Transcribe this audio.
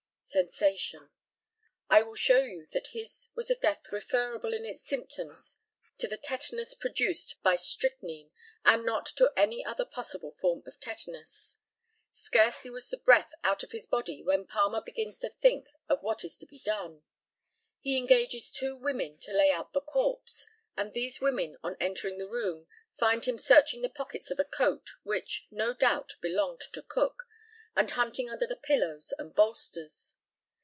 (Sensation.) I will show you that his was a death referable in its symptoms to the tetanus produced by strychnine, and not to any other possible form of tetanus. Scarcely was the breath out of his body when Palmer begins to think of what is to be done. He engages two women to lay out the corpse, and these women, on entering the room, find him searching the pockets of a coat which, no doubt, belonged to Cook, and hunting under the pillows and bolsters.